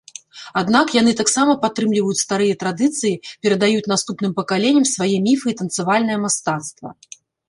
Аднак яны таксама падтрымліваюць старыя традыцыі, перадаюць наступным пакаленням свае міфы і танцавальнае мастацтва.